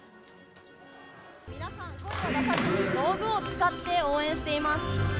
皆さん、声は出さずに道具を使って応援しています。